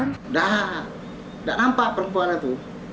nggak nggak nampak perempuan itu